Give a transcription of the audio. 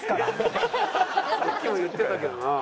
さっきも言ってたけどなあ。